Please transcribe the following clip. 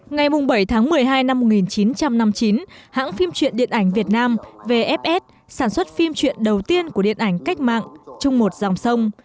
ngày bảy tháng một mươi hai năm một nghìn chín trăm năm mươi chín hãng phim truyện điện ảnh việt nam vfs sản xuất phim truyện đầu tiên của điện ảnh cách mạng trong một dòng sông